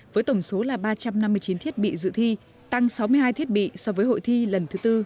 với tổng số là ba trăm năm mươi chín thiết bị dự thi tăng sáu mươi hai thiết bị so với hội thi lần thứ tư